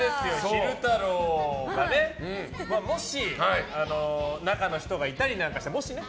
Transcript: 昼太郎がねもし中の人がいたりしたらね。